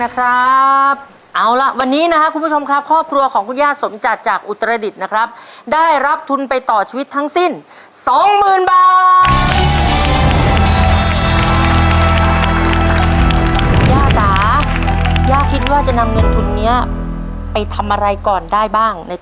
เก็บอุปกรณ์สำหรับโจทย์ข้อนี้ครับ